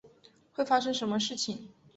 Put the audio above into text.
会发生什么事情？